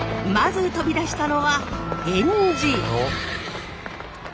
まず飛び出したのは源氏！